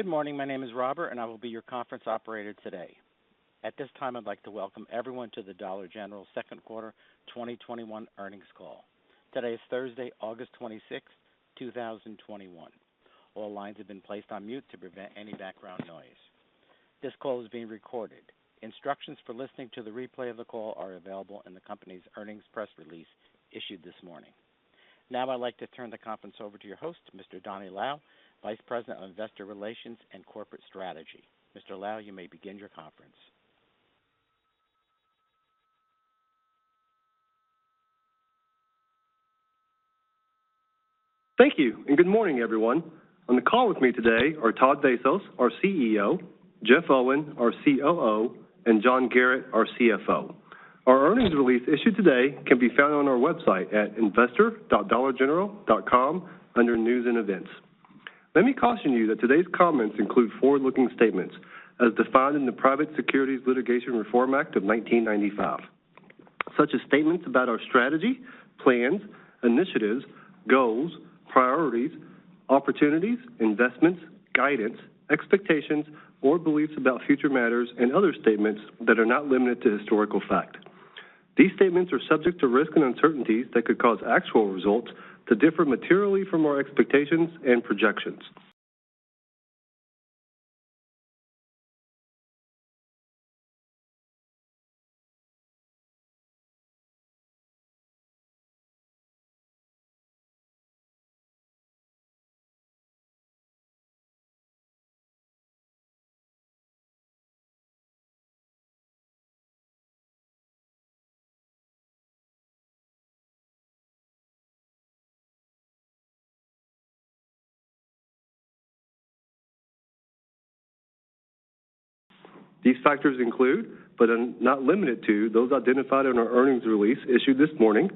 Good morning. My name is Robert, and I will be your conference operator today. At this time, I'd like to welcome everyone to the Dollar General second quarter 2021 earnings call. Today is Thursday, August 26, 2021. All lines have been placed on mute to prevent any background noise. This call is being recorded. Instructions for listening to the replay of the call are available in the company's earnings press release issued this morning. I'd like to turn the conference over to your host, Mr. Donny Lau, Vice President of Investor Relations and Corporate Strategy. Mr. Lau, you may begin your conference. Thank you, and good morning, everyone. On the call with me today are Todd Vasos, our CEO, Jeff Owen, our COO, and John Garratt, our CFO. Our earnings release issued today can be found on our website at investor.dollargeneral.com under News and Events. Let me caution you that today's comments include forward-looking statements as defined in the Private Securities Litigation Reform Act of 1995, such as statements about our strategy, plans, initiatives, goals, priorities, opportunities, investments, guidance, expectations, or beliefs about future matters and other statements that are not limited to historical fact. These statements are subject to risks and uncertainties that could cause actual results to differ materially from our expectations and projections. These factors include, but are not limited to, those identified in our earnings release issued this morning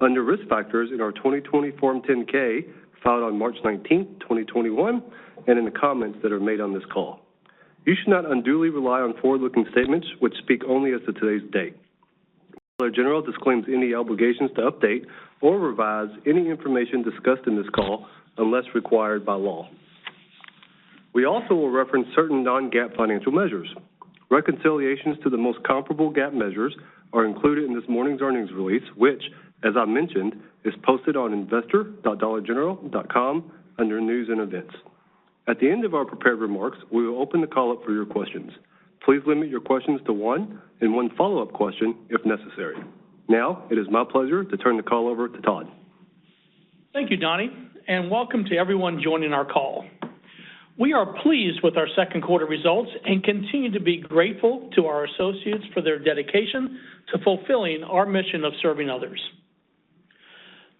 under Risk Factors in our 2020 Form 10-K filed on March 19, 2021, and in the comments that are made on this call. You should not unduly rely on forward-looking statements, which speak only as of today's date. Dollar General disclaims any obligations to update or revise any information discussed on this call unless required by law. We also will reference certain non-GAAP financial measures. Reconciliations to the most comparable GAAP measures are included in this morning's earnings release, which, as I mentioned, is posted on investor.dollargeneral.com under News and Events. At the end of our prepared remarks, we will open the call up for your questions. Please limit your questions to one and one follow-up question if necessary. Now it is my pleasure to turn the call over to Todd. Thank you, Donny, and welcome to everyone joining our call. We are pleased with our second quarter results and continue to be grateful to our associates for their dedication to fulfilling our mission of serving others.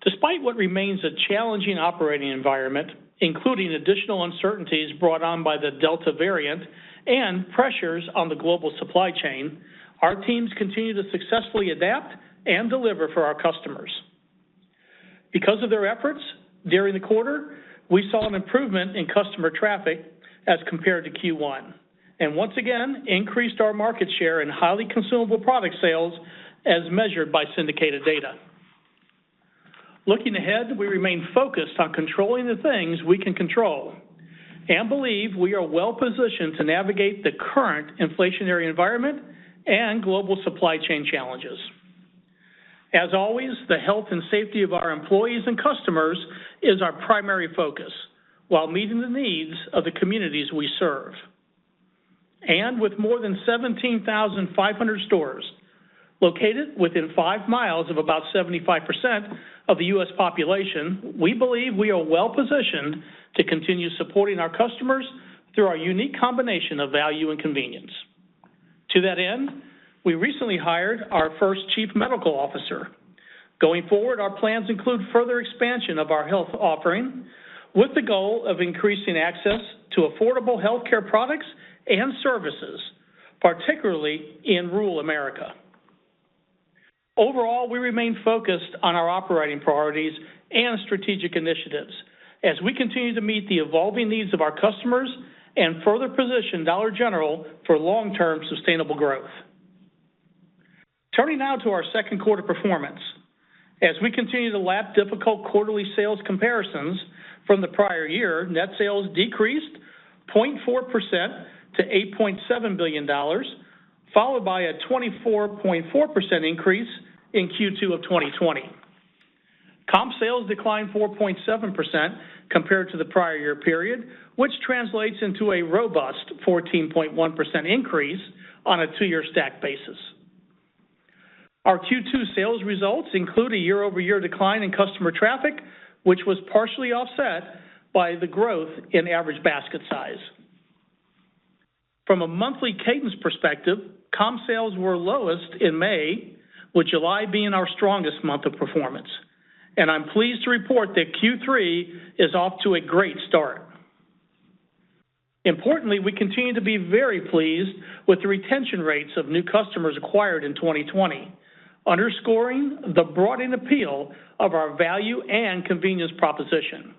Despite what remains a challenging operating environment, including additional uncertainties brought on by the Delta variant and pressures on the global supply chain, our teams continue to successfully adapt and deliver for our customers. Because of their efforts during the quarter, we saw an improvement in customer traffic as compared to Q1, and once again increased our market share in highly consumable product sales as measured by syndicated data. Looking ahead, we remain focused on controlling the things we can control and believe we are well-positioned to navigate the current inflationary environment and global supply chain challenges. As always, the health and safety of our employees and customers is our primary focus while meeting the needs of the communities we serve. With more than 17,500 stores located within 5 mi of about 75% of the U.S. population, we believe we are well-positioned to continue supporting our customers through our unique combination of value and convenience. To that end, we recently hired our first chief medical officer. Going forward, our plans include further expansion of our health offering with the goal of increasing access to affordable healthcare products and services, particularly in rural America. Overall, we remain focused on our operating priorities and strategic initiatives as we continue to meet the evolving needs of our customers and further position Dollar General for long-term sustainable growth. Turning now to our second quarter performance. As we continue to lap difficult quarterly sales comparisons from the prior year, net sales decreased 0.4% to $8.7 billion, followed by a 24.4% increase in Q2 of 2020. Comp sales declined 4.7% compared to the prior year period, which translates into a robust 14.1% increase on a two-year stack basis. Our Q2 sales results include a year-over-year decline in customer traffic, which was partially offset by the growth in average basket size. From a monthly cadence perspective, comp sales were lowest in May, with July being our strongest month of performance. I'm pleased to report that Q3 is off to a great start. Importantly, we continue to be very pleased with the retention rates of new customers acquired in 2020, underscoring the broadening appeal of our value and convenience proposition.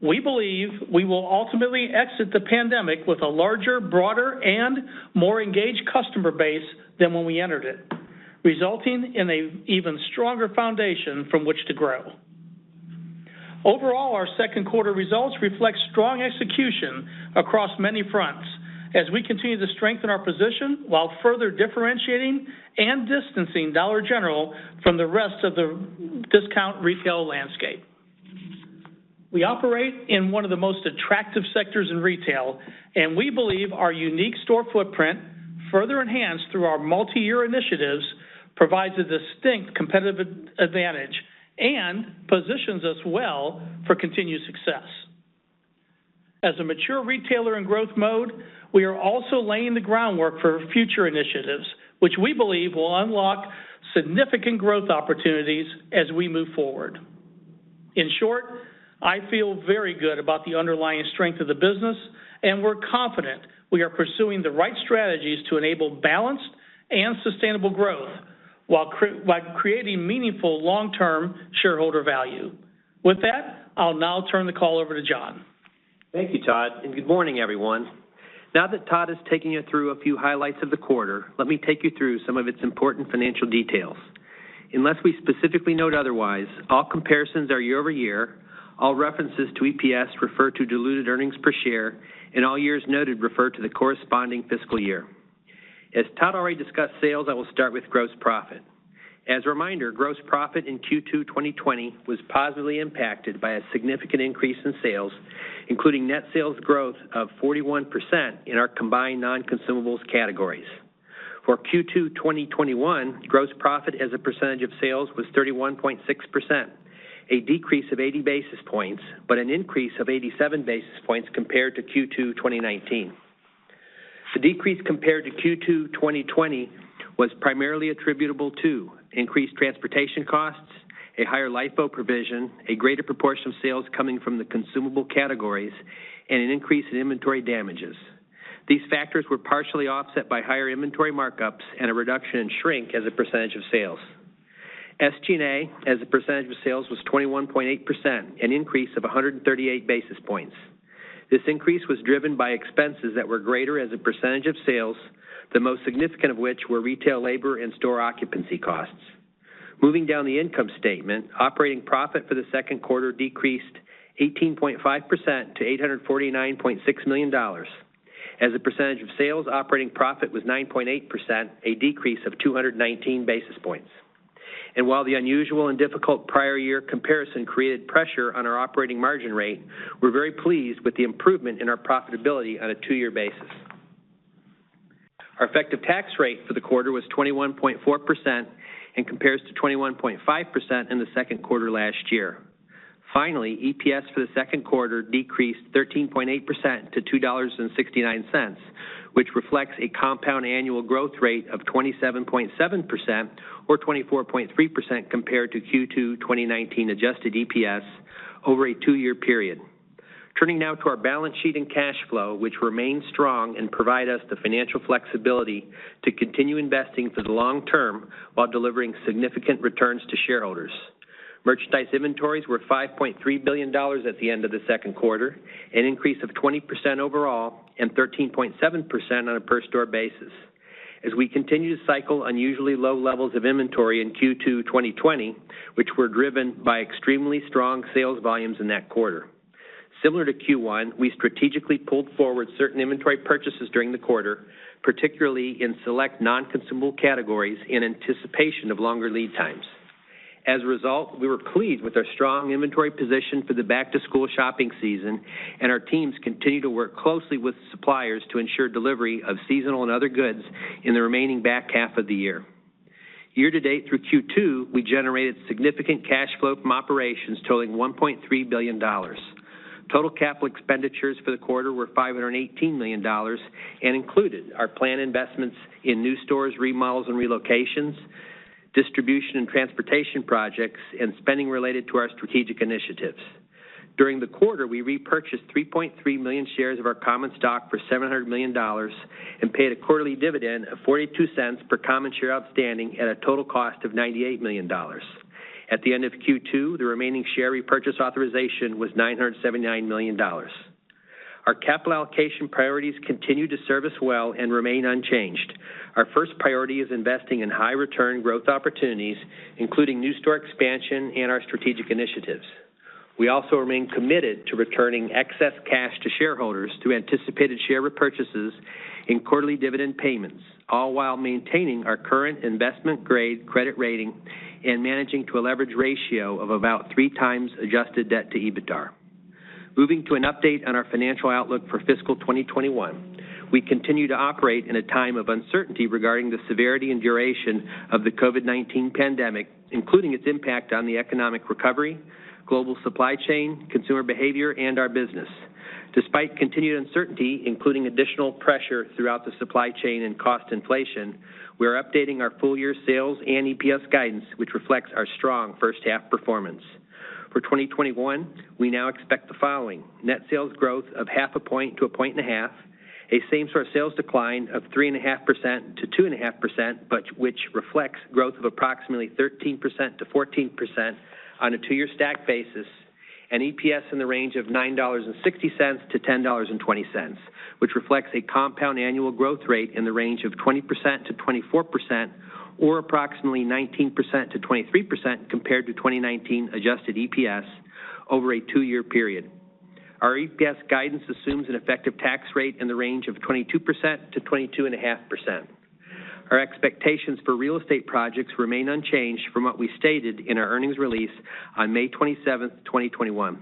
We believe we will ultimately exit the pandemic with a larger, broader, and more engaged customer base than when we entered it. Resulting in an even stronger foundation from which to grow. Overall, our second quarter results reflect strong execution across many fronts as we continue to strengthen our position, while further differentiating and distancing Dollar General from the rest of the discount retail landscape. We operate in one of the most attractive sectors in retail, and we believe our unique store footprint, further enhanced through our multi-year initiatives, provides a distinct competitive advantage and positions us well for continued success. As a mature retailer in growth mode, we are also laying the groundwork for future initiatives, which we believe will unlock significant growth opportunities as we move forward. In short, I feel very good about the underlying strength of the business. We're confident we are pursuing the right strategies to enable balanced and sustainable growth while creating meaningful long-term shareholder value. With that, I'll now turn the call over to John. Thank you, Todd, and good morning, everyone. Now that Todd has taken you through a few highlights of the quarter, let me take you through some of its important financial details. Unless we specifically note otherwise, all comparisons are year-over-year, all references to EPS refer to diluted earnings per share, and all years noted refer to the corresponding fiscal year. As Todd already discussed sales, I will start with gross profit. As a reminder, gross profit in Q2 2020 was positively impacted by a significant increase in sales, including net sales growth of 41% in our combined non-consumables categories. For Q2 2021, gross profit as a percentage of sales was 31.6%, a decrease of 80 basis points, but an increase of 87 basis points compared to Q2 2019. The decrease compared to Q2 2020 was primarily attributable to increased transportation costs, a higher LIFO provision, a greater proportion of sales coming from the consumable categories, and an increase in inventory damages. These factors were partially offset by higher inventory markups and a reduction in shrink as a percentage of sales. SG&A as a percentage of sales was 21.8%, an increase of 138 basis points. This increase was driven by expenses that were greater as a percentage of sales, the most significant of which were retail labor and store occupancy costs. Moving down the income statement, operating profit for the second quarter decreased 18.5% to $849.6 million. As a percentage of sales, operating profit was 9.8%, a decrease of 219 basis points. While the unusual and difficult prior year comparison created pressure on our operating margin rate, we're very pleased with the improvement in our profitability on a two-year basis. Our effective tax rate for the quarter was 21.4% and compares to 21.5% in the second quarter last year. Finally, EPS for the second quarter decreased 13.8% to $2.69, which reflects a compound annual growth rate of 27.7%, or 24.3% compared to Q2 2019 adjusted EPS over a two-year period. Turning now to our balance sheet and cash flow, which remain strong and provide us the financial flexibility to continue investing for the long term while delivering significant returns to shareholders. Merchandise inventories were $5.3 billion at the end of the second quarter, an increase of 20% overall and 13.7% on a per store basis, as we continue to cycle unusually low levels of inventory in Q2 2020, which were driven by extremely strong sales volumes in that quarter. Similar to Q1, we strategically pulled forward certain inventory purchases during the quarter, particularly in select non-consumable categories in anticipation of longer lead times. As a result, we were pleased with our strong inventory position for the back-to-school shopping season, and our teams continue to work closely with suppliers to ensure delivery of seasonal and other goods in the remaining back half of the year. Year to date through Q2, we generated significant cash flow from operations totaling $1.3 billion. Total capital expenditures for the quarter were $518 million and included our planned investments in new stores, remodels, and relocations, distribution and transportation projects, and spending related to our strategic initiatives. During the quarter, we repurchased 3.3 million shares of our common stock for $700 million and paid a quarterly dividend of $0.42 per common share outstanding at a total cost of $98 million. At the end of Q2, the remaining share repurchase authorization was $979 million. Our capital allocation priorities continue to serve us well and remain unchanged. Our first priority is investing in high-return growth opportunities, including new store expansion and our strategic initiatives. We also remain committed to returning excess cash to shareholders through anticipated share repurchases and quarterly dividend payments, all while maintaining our current investment-grade credit rating and managing to a leverage ratio of about 3x adjusted debt to EBITDA. Moving to an update on our financial outlook for fiscal 2021. We continue to operate in a time of uncertainty regarding the severity and duration of the COVID-19 pandemic, including its impact on the economic recovery, global supply chain, consumer behavior, and our business. Despite continued uncertainty, including additional pressure throughout the supply chain and cost inflation, we are updating our full-year sales and EPS guidance, which reflects our strong first half performance. For 2021, we now expect the following. Net sales growth of 0.5%-1.5%, a same-store sales decline of 3.5%-2.5%, but which reflects growth of approximately 13%-14% on a two-year stack basis. EPS in the range of $9.60-$10.20, which reflects a compound annual growth rate in the range of 20%-24%, or approximately 19%-23% compared to 2019 adjusted EPS over a two-year period. Our EPS guidance assumes an effective tax rate in the range of 22%-22.5%. Our expectations for real estate projects remain unchanged from what we stated in our earnings release on May 27th, 2021.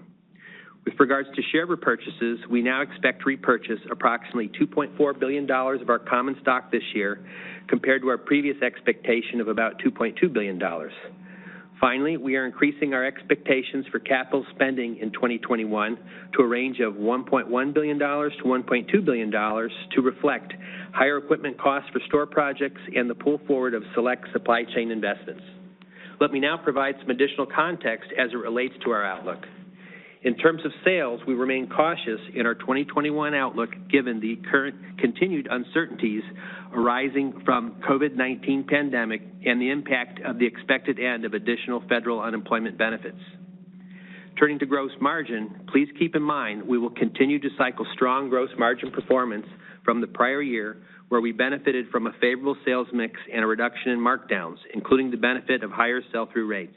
With regards to share repurchases, we now expect to repurchase approximately $2.4 billion of our common stock this year, compared to our previous expectation of about $2.2 billion. Finally, we are increasing our expectations for capital spending in 2021 to a range of $1.1 billion-$1.2 billion to reflect higher equipment costs for store projects and the pull forward of select supply chain investments. Let me now provide some additional context as it relates to our outlook. In terms of sales, we remain cautious in our 2021 outlook given the current continued uncertainties arising from COVID-19 pandemic and the impact of the expected end of additional federal unemployment benefits. Turning to gross margin, please keep in mind we will continue to cycle strong gross margin performance from the prior year, where we benefited from a favorable sales mix and a reduction in markdowns, including the benefit of higher sell-through rates.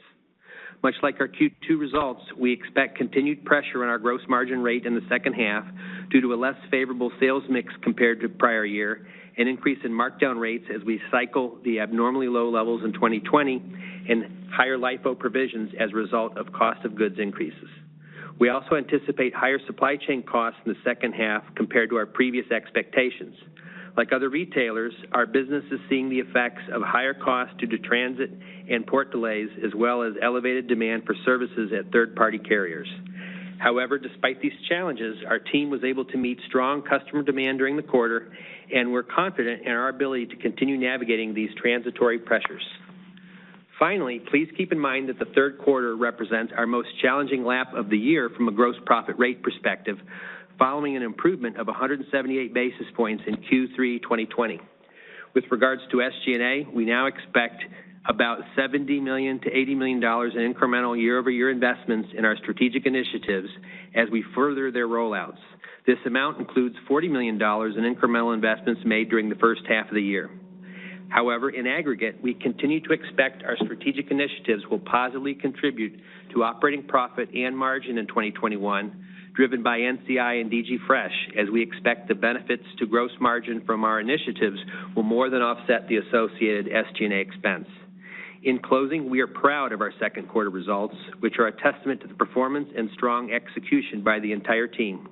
Much like our Q2 results, we expect continued pressure on our gross margin rate in the second half due to a less favorable sales mix compared to prior year, an increase in markdown rates as we cycle the abnormally low levels in 2020, and higher LIFO provisions as a result of cost of goods increases. We also anticipate higher supply chain costs in the second half compared to our previous expectations. Like other retailers, our business is seeing the effects of higher costs due to transit and port delays, as well as elevated demand for services at third-party carriers. However, despite these challenges, our team was able to meet strong customer demand during the quarter, and we're confident in our ability to continue navigating these transitory pressures. Finally, please keep in mind that the third quarter represents our most challenging lap of the year from a gross profit rate perspective, following an improvement of 178 basis points in Q3 2020. With regards to SG&A, we now expect about $70 million-$80 million in incremental year-over-year investments in our strategic initiatives as we further their rollouts. This amount includes $40 million in incremental investments made during the first half of the year. In aggregate, we continue to expect our strategic initiatives will positively contribute to operating profit and margin in 2021, driven by NCI and DG Fresh, as we expect the benefits to gross margin from our initiatives will more than offset the associated SG&A expense. In closing, we are proud of our second quarter results, which are a testament to the performance and strong execution by the entire team.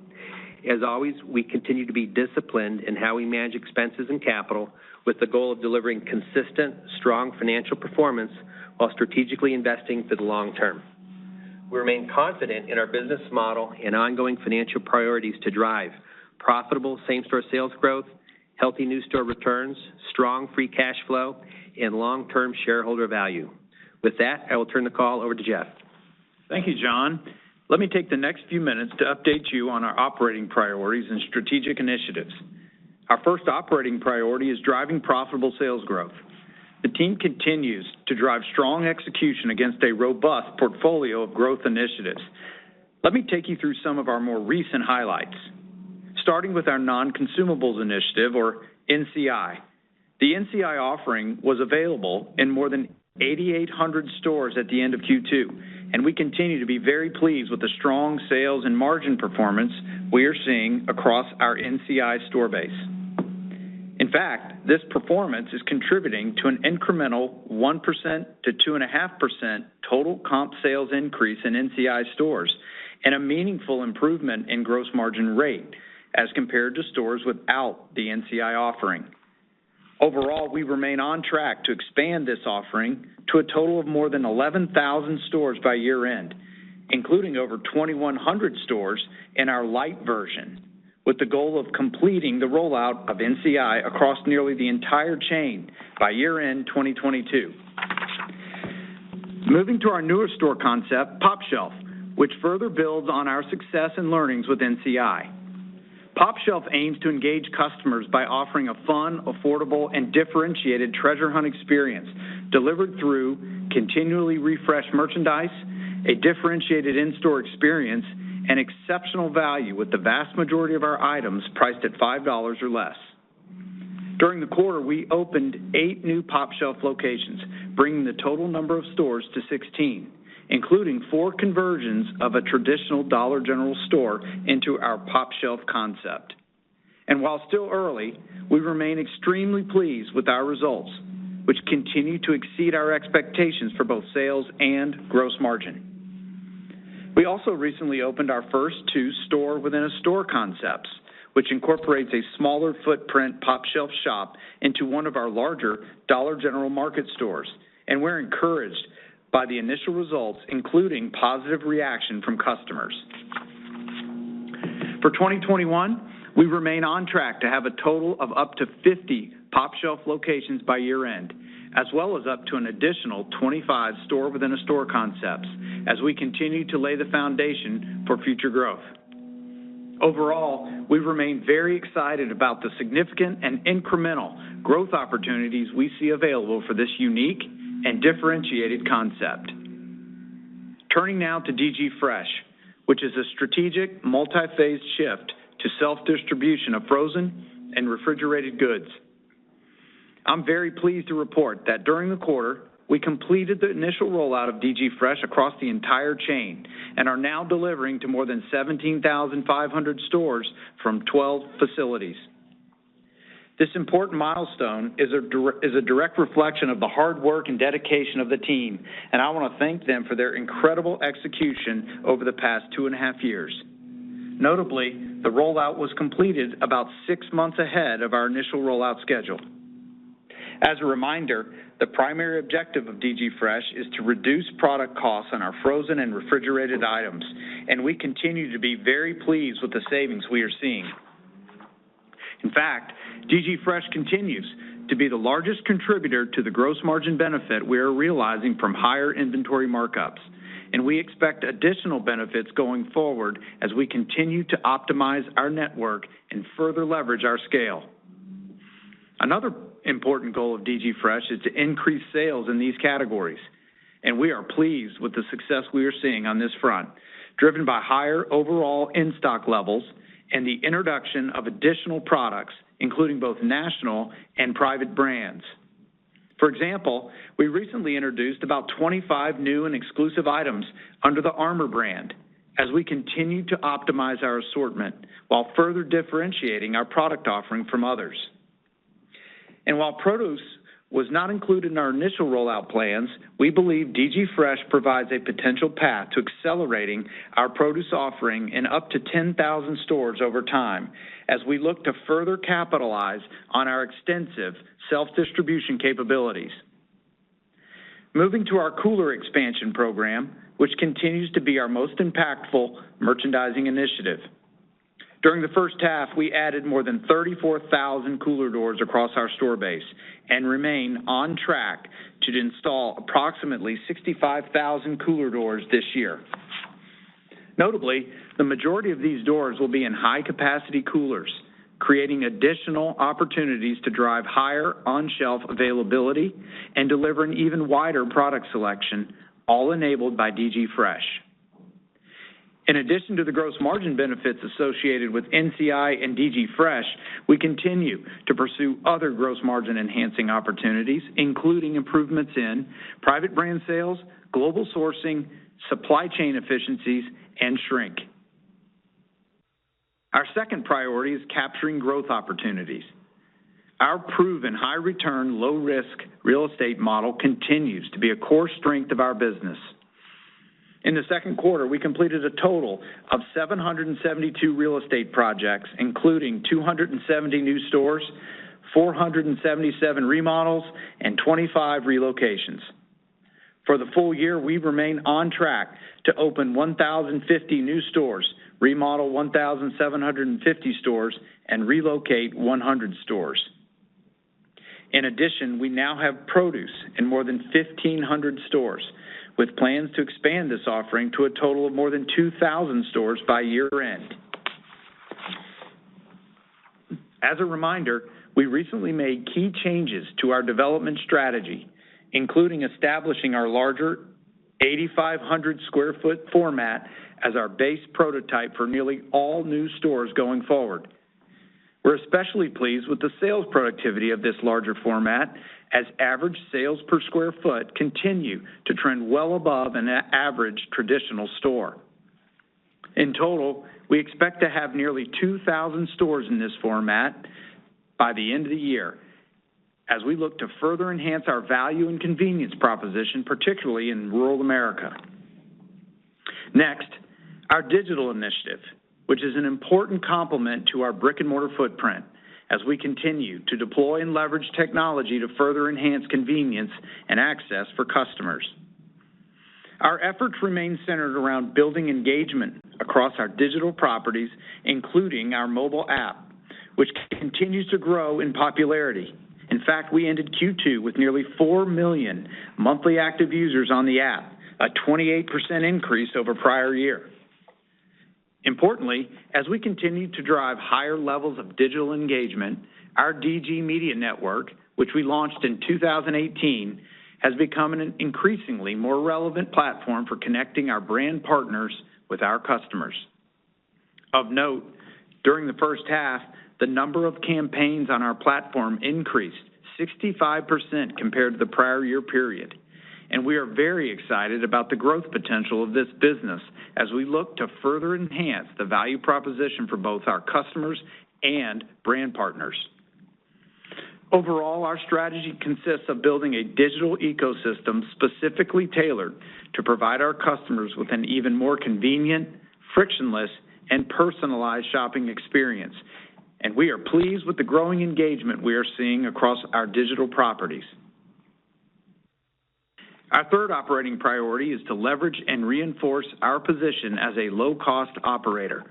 As always, we continue to be disciplined in how we manage expenses and capital, with the goal of delivering consistent, strong financial performance while strategically investing for the long term. We remain confident in our business model and ongoing financial priorities to drive profitable same-store sales growth, healthy new store returns, strong free cash flow, and long-term shareholder value. With that, I will turn the call over to Jeff. Thank you, John. Let me take the next few minutes to update you on our operating priorities and strategic initiatives. Our first operating priority is driving profitable sales growth. The team continues to drive strong execution against a robust portfolio of growth initiatives. Let me take you through some of our more recent highlights. Starting with our Non-Consumables Initiative, or NCI. The NCI offering was available in more than 8,800 stores at the end of Q2, and we continue to be very pleased with the strong sales and margin performance we are seeing across our NCI store base. In fact, this performance is contributing to an incremental 1%-2.5% total comp sales increase in NCI stores and a meaningful improvement in gross margin rate as compared to stores without the NCI offering. Overall, we remain on track to expand this offering to a total of more than 11,000 stores by year-end, including over 2,100 stores in our lite version, with the goal of completing the rollout of NCI across nearly the entire chain by year-end 2022. Moving to our newer store concept, pOpshelf, which further builds on our success and learnings with NCI. pOpshelf aims to engage customers by offering a fun, affordable, and differentiated treasure hunt experience delivered through continually refreshed merchandise, a differentiated in-store experience, and exceptional value with the vast majority of our items priced at $5 or less. During the quarter, we opened eight new pOpshelf locations, bringing the total number of stores to 16, including four conversions of a traditional Dollar General store into our pOpshelf concept. While still early, we remain extremely pleased with our results, which continue to exceed our expectations for both sales and gross margin. We also recently opened our first two store-within-a-store concepts, which incorporates a smaller footprint pOpshelf shop into one of our larger Dollar General Market stores, and we're encouraged by the initial results, including positive reaction from customers. For 2021, we remain on track to have a total of up to 50 pOpshelf locations by year-end, as well as up to an additional 25 store-within-a-store concepts as we continue to lay the foundation for future growth. Overall, we remain very excited about the significant and incremental growth opportunities we see available for this unique and differentiated concept. Turning now to DG Fresh, which is a strategic multi-phase shift to self-distribution of frozen and refrigerated goods. I'm very pleased to report that during the quarter, we completed the initial rollout of DG Fresh across the entire chain and are now delivering to more than 17,500 stores from 12 facilities. This important milestone is a direct reflection of the hard work and dedication of the team, and I want to thank them for their incredible execution over the past 2.5 years. Notably, the rollout was completed about six months ahead of our initial rollout schedule. As a reminder, the primary objective of DG Fresh is to reduce product costs on our frozen and refrigerated items, and we continue to be very pleased with the savings we are seeing. In fact, DG Fresh continues to be the largest contributor to the gross margin benefit we are realizing from higher inventory markups, and we expect additional benefits going forward as we continue to optimize our network and further leverage our scale. Another important goal of DG Fresh is to increase sales in these categories, and we are pleased with the success we are seeing on this front, driven by higher overall in-stock levels and the introduction of additional products, including both national and private brands. For example, we recently introduced about 25 new and exclusive items under the Armour brand as we continue to optimize our assortment while further differentiating our product offering from others. While produce was not included in our initial rollout plans, we believe DG Fresh provides a potential path to accelerating our produce offering in up to 10,000 stores over time as we look to further capitalize on our extensive self-distribution capabilities. Moving to our cooler expansion program, which continues to be our most impactful merchandising initiative. During the first half, we added more than 34,000 cooler doors across our store base and remain on track to install approximately 65,000 cooler doors this year. Notably, the majority of these doors will be in high-capacity coolers, creating additional opportunities to drive higher on-shelf availability and deliver an even wider product selection, all enabled by DG Fresh. In addition to the gross margin benefits associated with NCI and DG Fresh, we continue to pursue other gross margin-enhancing opportunities, including improvements in private brand sales, global sourcing, supply chain efficiencies, and shrink. Our second priority is capturing growth opportunities. Our proven high-return, low-risk real estate model continues to be a core strength of our business. In the second quarter, we completed a total of 772 real estate projects, including 270 new stores, 477 remodels, and 25 relocations. For the full year, we remain on track to open 1,050 new stores, remodel 1,750 stores, and relocate 100 stores. In addition, we now have produce in more than 1,500 stores, with plans to expand this offering to a total of more than 2,000 stores by year-end. As a reminder, we recently made key changes to our development strategy, including establishing our larger 8,500 sq ft format as our base prototype for nearly all new stores going forward. We're especially pleased with the sales productivity of this larger format, as average sales per square foot continue to trend well above an average traditional store. In total, we expect to have nearly 2,000 stores in this format by the end of the year as we look to further enhance our value and convenience proposition, particularly in rural America. Next, our digital initiative, which is an important complement to our brick-and-mortar footprint as we continue to deploy and leverage technology to further enhance convenience and access for customers. Our efforts remain centered around building engagement across our digital properties, including our mobile app, which continues to grow in popularity. In fact, we ended Q2 with nearly 4 million monthly active users on the app, a 28% increase over prior year. Importantly, as we continue to drive higher levels of digital engagement, our DG Media Network, which we launched in 2018, has become an increasingly more relevant platform for connecting our brand partners with our customers. Of note, during the first half, the number of campaigns on our platform increased 65% compared to the prior year period. We are very excited about the growth potential of this business as we look to further enhance the value proposition for both our customers and brand partners. Overall, our strategy consists of building a digital ecosystem specifically tailored to provide our customers with an even more convenient, frictionless, and personalized shopping experience. We are pleased with the growing engagement we are seeing across our digital properties. Our third operating priority is to leverage and reinforce our position as a low-cost operator.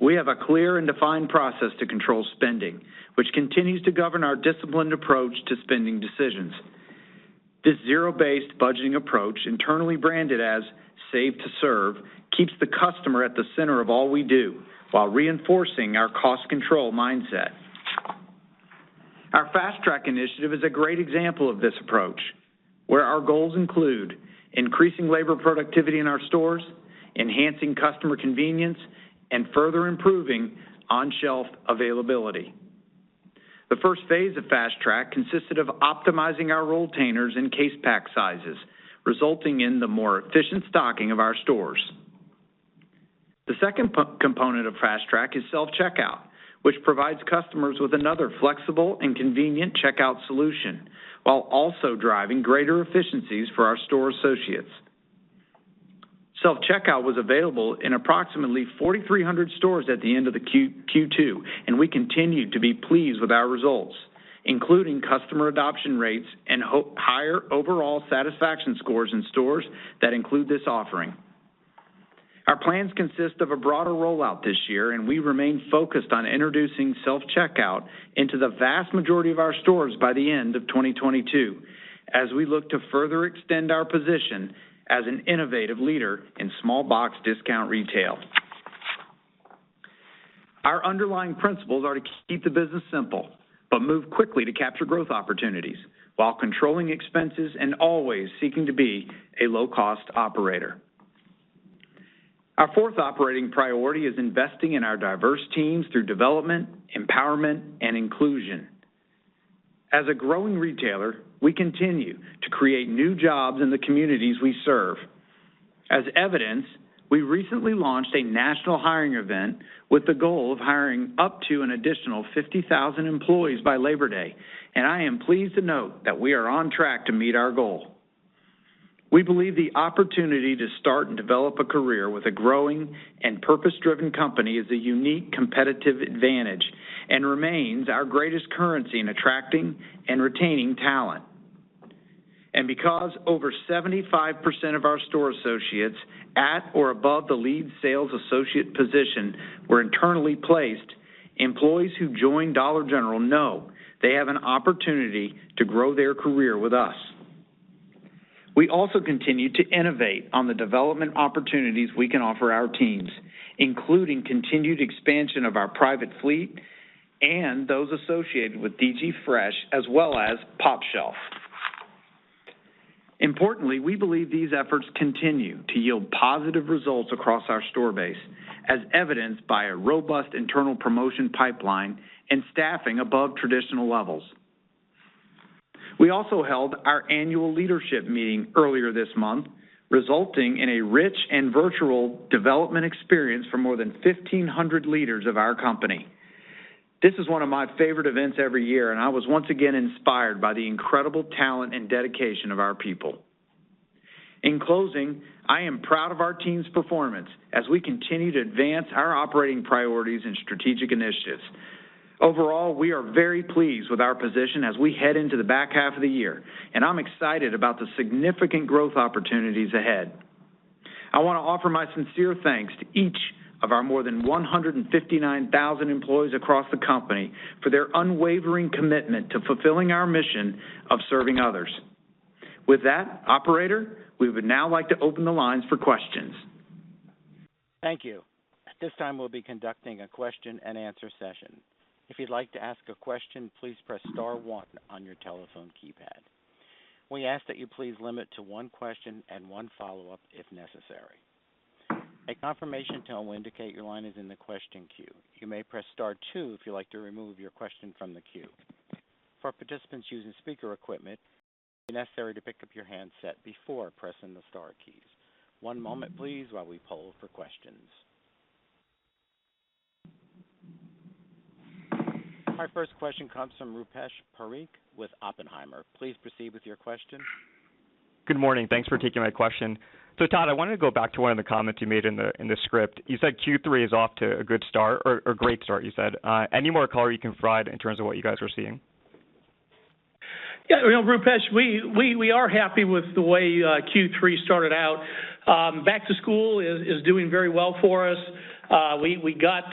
We have a clear and defined process to control spending, which continues to govern our disciplined approach to spending decisions. This zero-based budgeting approach, internally branded as Save to Serve, keeps the customer at the center of all we do while reinforcing our cost control mindset. Our Fast Track initiative is a great example of this approach, where our goals include increasing labor productivity in our stores, enhancing customer convenience, and further improving on-shelf availability. The first phase of Fast Track consisted of optimizing our roll containers and case pack sizes, resulting in the more efficient stocking of our stores. The second component of Fast Track is self-checkout, which provides customers with another flexible and convenient checkout solution while also driving greater efficiencies for our store associates. Self-checkout was available in approximately 4,300 stores at the end of the Q2, and we continue to be pleased with our results, including customer adoption rates and higher overall satisfaction scores in stores that include this offering. Our plans consist of a broader rollout this year, and we remain focused on introducing self-checkout into the vast majority of our stores by the end of 2022, as we look to further extend our position as an innovative leader in small box discount retail. Our underlying principles are to keep the business simple, but move quickly to capture growth opportunities while controlling expenses and always seeking to be a low-cost operator. Our fourth operating priority is investing in our diverse teams through development, empowerment, and inclusion. As a growing retailer, we continue to create new jobs in the communities we serve. As evidence, we recently launched a national hiring event with the goal of hiring up to an additional 50,000 employees by Labor Day. I am pleased to note that we are on track to meet our goal. We believe the opportunity to start and develop a career with a growing and purpose-driven company is a unique competitive advantage and remains our greatest currency in attracting and retaining talent. Because over 75% of our store associates at or above the lead sales associate position were internally placed, employees who join Dollar General know they have an opportunity to grow their career with us. We also continue to innovate on the development opportunities we can offer our teams, including continued expansion of our private fleet and those associated with DG Fresh, as well as pOpshelf. Importantly, we believe these efforts continue to yield positive results across our store base, as evidenced by a robust internal promotion pipeline and staffing above traditional levels. We also held our annual leadership meeting earlier this month, resulting in a rich and virtual development experience for more than 1,500 leaders of our company. This is one of my favorite events every year, and I was once again inspired by the incredible talent and dedication of our people. In closing, I am proud of our team's performance as we continue to advance our operating priorities and strategic initiatives. Overall, we are very pleased with our position as we head into the back half of the year, and I'm excited about the significant growth opportunities ahead. I want to offer my sincere thanks to each of our more than 159,000 employees across the company for their unwavering commitment to fulfilling our mission of serving others. With that, operator, we would now like to open the lines for questions. Thank you. At this time, we'll be conducting a question-and-answer session. If you'd like to ask a question, please press star one on your telephone keypad. We ask that you please limit to one question and one follow-up if necessary. A confirmation tone will indicate your line is in the question queue. You may press star two if you'd like to remove your question from the queue. For participants using speaker equipment, it's necessary to pick up your handset before pressing the star keys. One moment, please, while we poll for questions. Our first question comes from Rupesh Parikh with Oppenheimer. Please proceed with your question. Good morning. Thanks for taking my question. Todd, I wanted to go back to one of the comments you made in the script. You said Q3 is off to a good start or a great start, you said. Any more color you can provide in terms of what you guys are seeing? Yeah, Rupesh, we are happy with the way Q3 started out. Back to school is doing very well for us. We got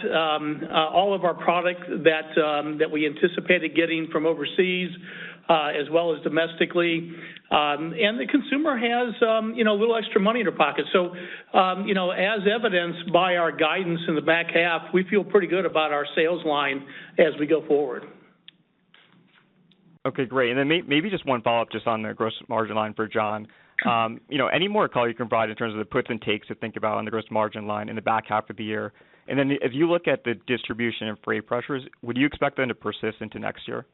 all of our product that we anticipated getting from overseas, as well as domestically. The consumer has a little extra money in their pocket. As evidenced by our guidance in the back half, we feel pretty good about our sales line as we go forward. Okay, great. Maybe just one follow-up just on the gross margin line for John. Any more color you can provide in terms of the puts and takes to think about on the gross margin line in the back half of the year? If you look at the distribution and freight pressures, would you expect them to persist into next year?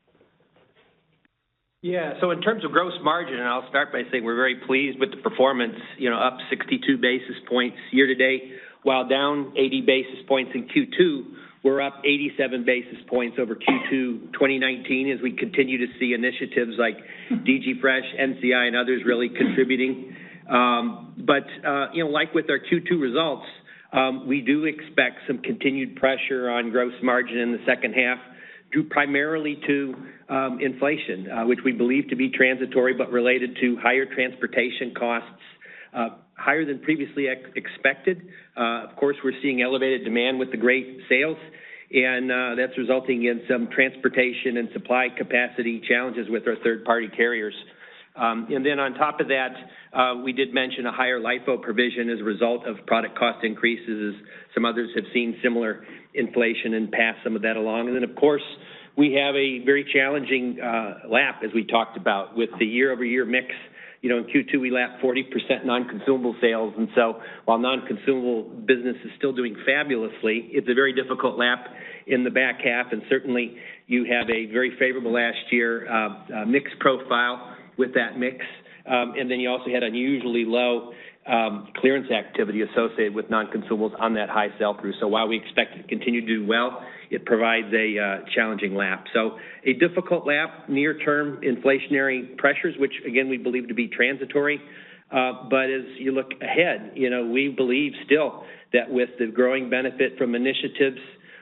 In terms of gross margin, and I'll start by saying we're very pleased with the performance, up 62 basis points year-to-date, while down 80 basis points in Q2. We're up 87 basis points over Q2 2019 as we continue to see initiatives like DG Fresh, NCI, and others really contributing. Like with our Q2 results, we do expect some continued pressure on gross margin in the second half, due primarily to inflation, which we believe to be transitory but related to higher transportation costs. Higher than previously expected. Of course, we're seeing elevated demand with the great sales, and that's resulting in some transportation and supply capacity challenges with our third-party carriers. On top of that, we did mention a higher LIFO provision as a result of product cost increases. Some others have seen similar inflation and passed some of that along. Of course, we have a very challenging lap, as we talked about with the year-over-year mix. In Q2, we lapped 40% non-consumable sales, and so while non-consumable business is still doing fabulously, it's a very difficult lap in the back half. Certainly, you have a very favorable last year mix profile with that mix. You also had unusually low clearance activity associated with non-consumables on that high sell-through. While we expect to continue to do well, it provides a challenging lap. A difficult lap, near-term inflationary pressures, which again, we believe to be transitory. As you look ahead, we believe still that with the growing benefit from initiatives,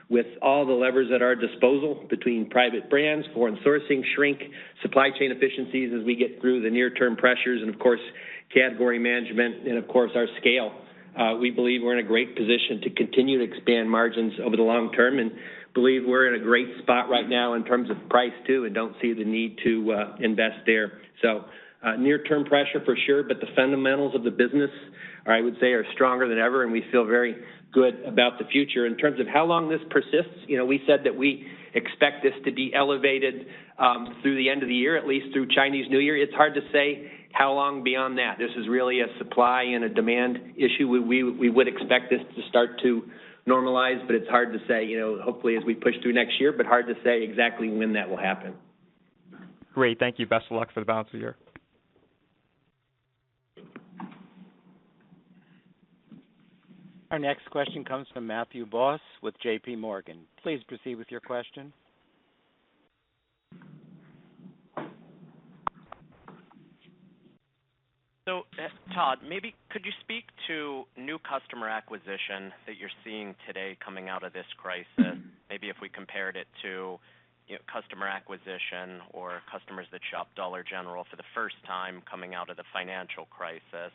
with all the levers at our disposal between private brands, foreign sourcing, shrink, supply chain efficiencies as we get through the near-term pressures, and of course, category management and of course, our scale, we believe we're in a great position to continue to expand margins over the long term and believe we're in a great spot right now in terms of price too, and don't see the need to invest there. Near-term pressure for sure, but the fundamentals of the business, I would say, are stronger than ever, and we feel very good about the future. In terms of how long this persists, we said that we expect this to be elevated through the end of the year, at least through Chinese New Year. It's hard to say how long beyond that. This is really a supply and a demand issue. We would expect this to start to normalize, but it's hard to say. Hopefully as we push through next year, but hard to say exactly when that will happen. Great. Thank you. Best of luck for the balance of the year. Our next question comes from Matthew Boss with JPMorgan. Please proceed with your question. Todd, could you speak to new customer acquisition that you're seeing today coming out of this crisis? Maybe if we compared it to customer acquisition or customers that shop Dollar General for the first time coming out of the financial crisis.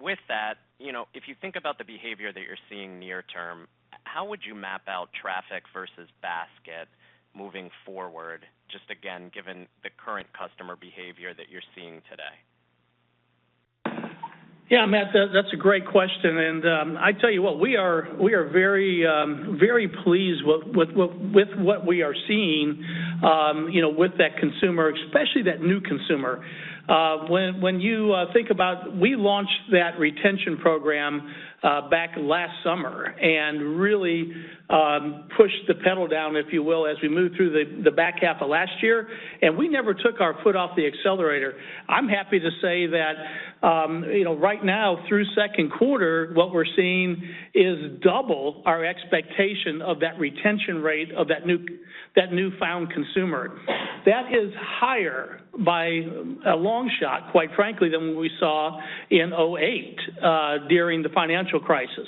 With that, if you think about the behavior that you're seeing near term, how would you map out traffic versus basket moving forward, just again, given the current customer behavior that you're seeing today? Yeah, Matt, that's a great question, and I tell you what, we are very pleased with what we are seeing with that consumer, especially that new consumer. When you think about we launched that retention program back last summer and really pushed the pedal down, if you will, as we moved through the back half of last year, and we never took our foot off the accelerator. I'm happy to say that right now through second quarter, what we're seeing is double our expectation of that retention rate of that newfound consumer. That is higher by a long shot, quite frankly, than what we saw in 2008 during the financial crisis.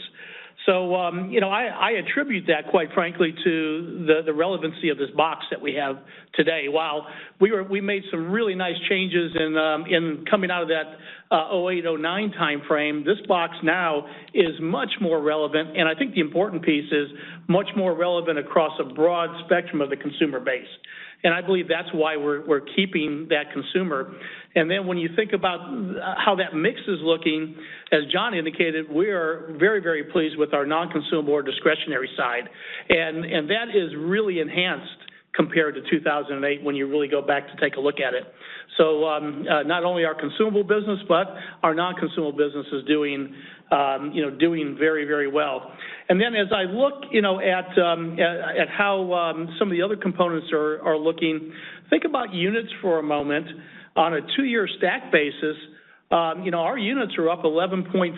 I attribute that, quite frankly, to the relevancy of this box that we have today. While we made some really nice changes in coming out of that 2008-2009 timeframe, this box now is much more relevant, I think the important piece is much more relevant across a broad spectrum of the consumer base. I believe that's why we're keeping that consumer. When you think about how that mix is looking, as John indicated, we are very pleased with our non-consumable or discretionary side. That is really enhanced compared to 2008 when you really go back to take a look at it. Not only our consumable business, but our non-consumable business is doing very well. As I look at how some of the other components are looking, think about units for a moment. On a two-year stack basis, our units are up 11.5%.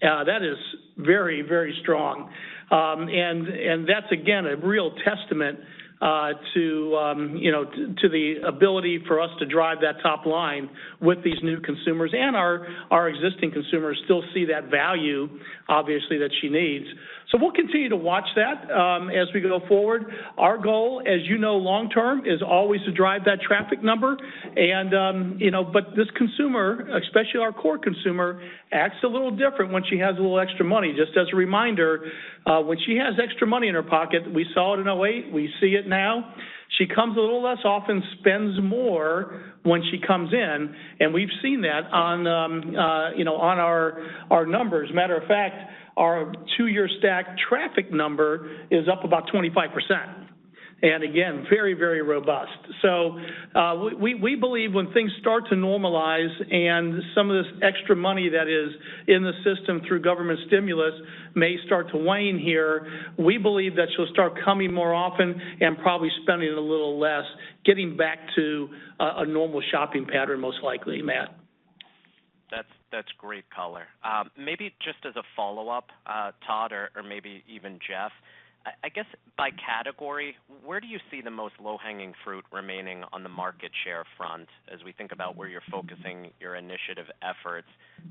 That is very strong. That's, again, a real testament to the ability for us to drive that top line with these new consumers. Our existing consumers still see that value, obviously, that she needs. We'll continue to watch that as we go forward. Our goal, as you know, long term, is always to drive that traffic number. This consumer, especially our core consumer, acts a little different when she has a little extra money. Just as a reminder, when she has extra money in her pocket, we saw it in 2008, we see it now. She comes a little less often, spends more when she comes in, and we've seen that on our numbers. Matter of fact, our two-year stack traffic number is up about 25%. Again, very robust. We believe when things start to normalize and some of this extra money that is in the system through government stimulus may start to wane here, we believe that she'll start coming more often and probably spending a little less, getting back to a normal shopping pattern most likely, Matt. That's great color. Maybe just as a follow-up, Todd, or maybe even Jeff, I guess by category, where do you see the most low-hanging fruit remaining on the market share front as we think about where you're focusing your initiative efforts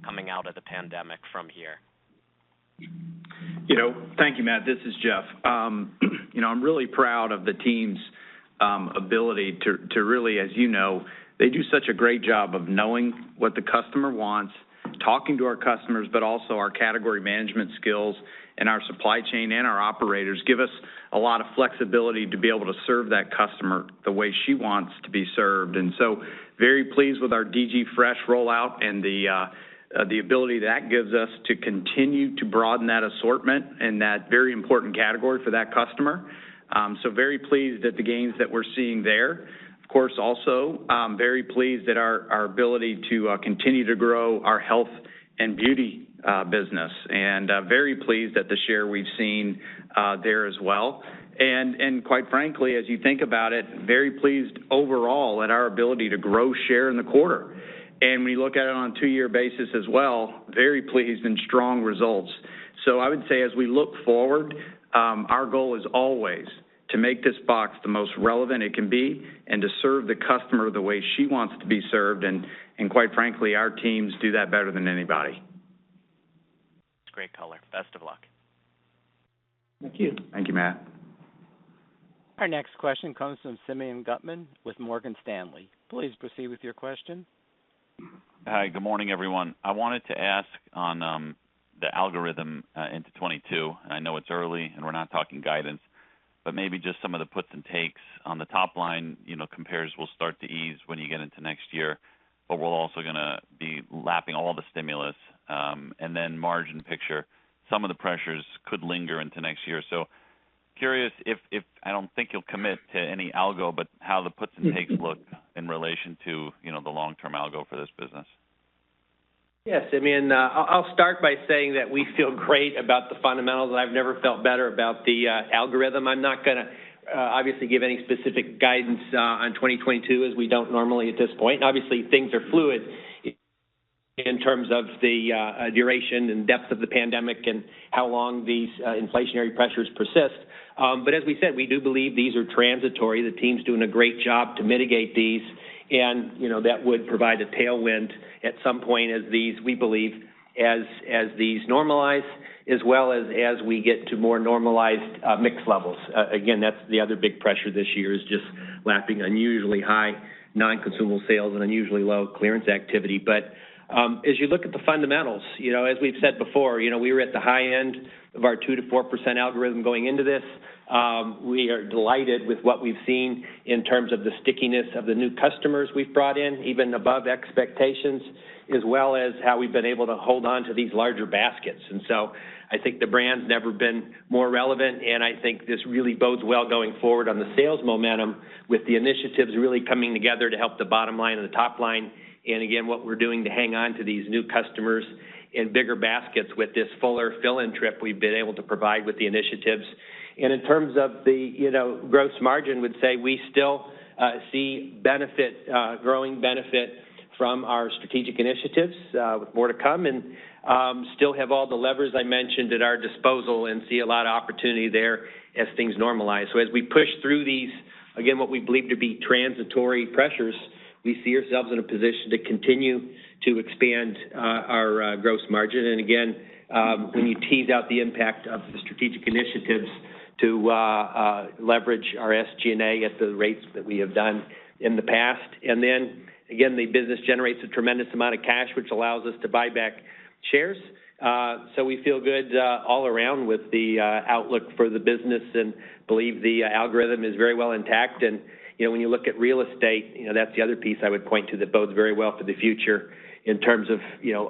coming out of the pandemic from here? Thank you, Matt. This is Jeff. I'm really proud of the team's ability to really, as you know, they do such a great job of knowing what the customer wants, talking to our customers, but also our category management skills and our supply chain and our operators give us a lot of flexibility to be able to serve that customer the way she wants to be served. Very pleased with our DG Fresh rollout and the ability that gives us to continue to broaden that assortment in that very important category for that customer. Very pleased at the gains that we're seeing there. Of course, also, very pleased at our ability to continue to grow our health and beauty business, and very pleased at the share we've seen there as well. Quite frankly, as you think about it, very pleased overall at our ability to grow share in the quarter. When you look at it on a two-year basis as well, very pleased and strong results. I would say as we look forward, our goal is always to make this box the most relevant it can be and to serve the customer the way she wants to be served and, quite frankly, our teams do that better than anybody. That's great color. Best of luck. Thank you. Thank you, Matt. Our next question comes from Simeon Gutman with Morgan Stanley. Please proceed with your question. Hi, good morning, everyone. I wanted to ask on the algorithm into 2022. I know it's early and we're not talking guidance, maybe just some of the puts and takes on the top line. Compares will start to ease when you get into next year, we're also going to be lapping all the stimulus. Margin picture, some of the pressures could linger into next year. Curious if, I don't think you'll commit to any algo, how the puts and takes look in relation to the long-term algo for this business. Yes, Simeon. I'll start by saying that we feel great about the fundamentals, and I've never felt better about the algorithm. I'm not going to, obviously, give any specific guidance on 2022, as we don't normally at this point, and obviously things are fluid in terms of the duration and depth of the pandemic and how long these inflationary pressures persist. As we said, we do believe these are transitory. The team's doing a great job to mitigate these, and that would provide a tailwind at some point as these, we believe, normalize, as well as we get to more normalized mix levels. Again, that's the other big pressure this year is just lapping unusually high non-consumable sales and unusually low clearance activity. As you look at the fundamentals, as we've said before, we were at the high end of our 2%-4% algorithm going into this. We are delighted with what we've seen in terms of the stickiness of the new customers we've brought in, even above expectations, as well as how we've been able to hold onto these larger baskets. I think the brand's never been more relevant, and I think this really bodes well going forward on the sales momentum with the initiatives really coming together to help the bottom line and the top line. Again, what we're doing to hang on to these new customers and bigger baskets with this fuller fill-in trip we've been able to provide with the initiatives. In terms of the gross margin, would say we still see growing benefit from our strategic initiatives, with more to come, and still have all the levers I mentioned at our disposal and see a lot of opportunity there as things normalize. As we push through these, again, what we believe to be transitory pressures, we see ourselves in a position to continue to expand our gross margin. Again, when you tease out the impact of the strategic initiatives to leverage our SG&A at the rates that we have done in the past. Again, the business generates a tremendous amount of cash, which allows us to buy back shares. We feel good all around with the outlook for the business and believe the algorithm is very well intact. When you look at real estate, that's the other piece I would point to that bodes very well for the future in terms of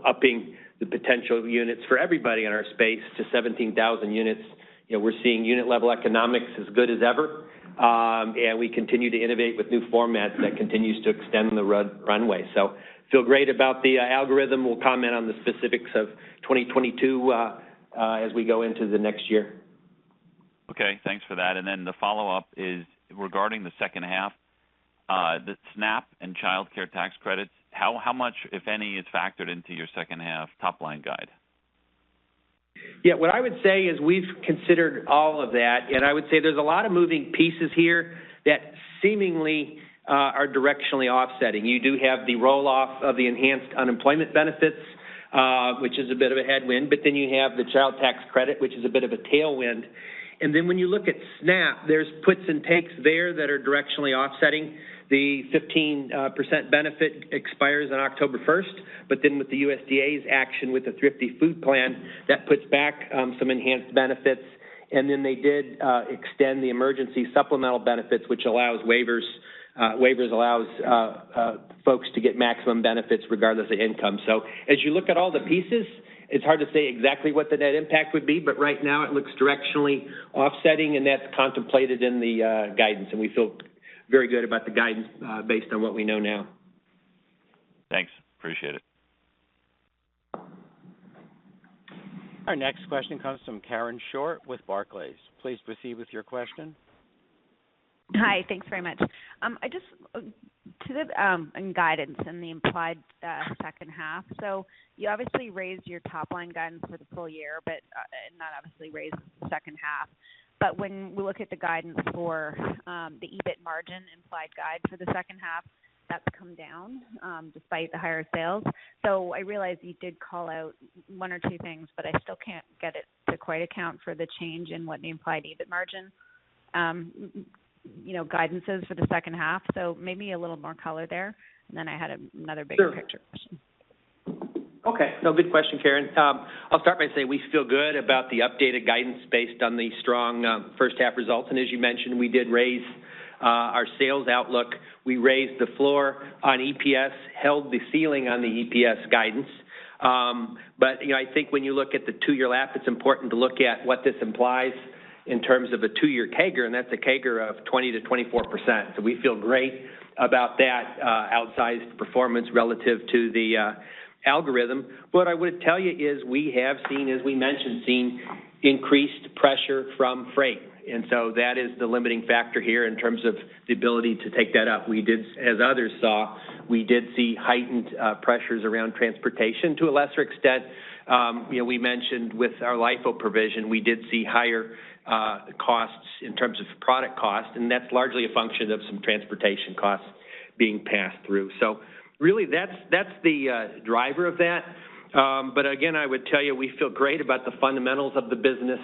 upping the potential units for everybody in our space to 17,000 units. We're seeing unit-level economics as good as ever. We continue to innovate with new formats that continues to extend the runway. Feel great about the algorithm. We'll comment on the specifics of 2022 as we go into the next year. Okay. Thanks for that. The follow-up is regarding the second half, the SNAP and childcare tax credits, how much, if any, is factored into your second half top-line guide? Yeah, what I would say is we've considered all of that, and I would say there's a lot of moving pieces here that seemingly are directionally offsetting. You do have the roll-off of the enhanced unemployment benefits, which is a bit of a headwind, you have the child tax credit, which is a bit of a tailwind. When you look at SNAP, there's puts and takes there that are directionally offsetting. The 15% benefit expires on October 1st, with the USDA's action with the Thrifty Food Plan, that puts back some enhanced benefits. They did extend the emergency supplemental benefits, which allows waivers. Waivers allows folks to get maximum benefits regardless of income. As you look at all the pieces, it's hard to say exactly what the net impact would be, but right now it looks directionally offsetting, and that's contemplated in the guidance, and we feel very good about the guidance based on what we know now. Thanks. Appreciate it. Our next question comes from Karen Short with Barclays. Please proceed with your question. Hi. Thanks very much. On guidance and the implied second half, you obviously raised your top-line guidance for the full year, but not obviously raised the second half. When we look at the guidance for the EBIT margin implied guide for the second half come down despite the higher sales. I realize you did call out one or two things, but I still can't get it to quite account for the change in what the implied EBIT margin guidances for the second half. Maybe a little more color there. I had another bigger picture question. Okay. No, good question, Karen. I'll start by saying we feel good about the updated guidance based on the strong first half results. As you mentioned, we did raise our sales outlook. We raised the floor on EPS, held the ceiling on the EPS guidance. I think when you look at the two-year lap, it's important to look at what this implies in terms of a two-year CAGR, and that's a CAGR of 20%-24%. We feel great about that outsized performance relative to the algorithm. What I would tell you is we have seen, as we mentioned, increased pressure from freight, and so that is the limiting factor here in terms of the ability to take that up. As others saw, we did see heightened pressures around transportation to a lesser extent. We mentioned with our LIFO provision, we did see higher costs in terms of product cost, and that's largely a function of some transportation costs being passed through. Really that's the driver of that. Again, I would tell you we feel great about the fundamentals of the business.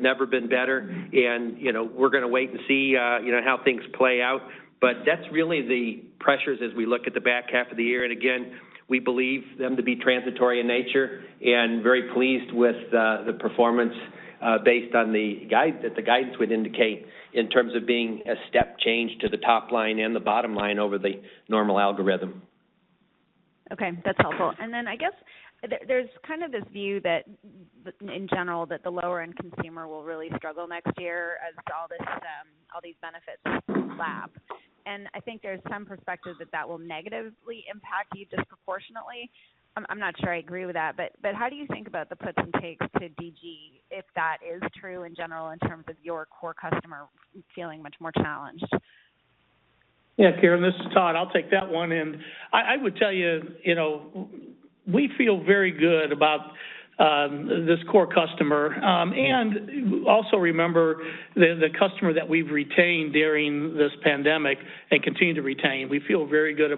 Never been better. We're going to wait and see how things play out. That's really the pressures as we look at the back half of the year. Again, we believe them to be transitory in nature, and very pleased with the performance based on the guide that the guidance would indicate in terms of being a step change to the top line and the bottom line over the normal algorithm. Okay. That's helpful. Then I guess there's kind of this view in general that the lower-end consumer will really struggle next year as all these benefits lap. I think there's some perspective that that will negatively impact you disproportionately. I'm not sure I agree with that. How do you think about the puts and takes to DG if that is true in general in terms of your core customer feeling much more challenged? Yeah, Karen, this is Todd. I'll take that one. I would tell you, we feel very good about this core customer. Also remember the customer that we've retained during this pandemic and continue to retain. We feel very good